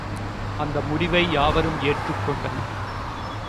அந்த முடிவை யாவரும் ஏற்றுக் கொண்டனர்.